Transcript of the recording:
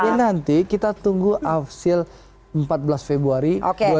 ini nanti kita tunggu afsir empat belas februari dua ribu dua puluh empat